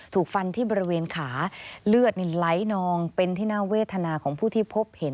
ถูกฟันที่บริเวณขาเลือดนี่ไหลนองเป็นที่น่าเวทนาของผู้ที่พบเห็น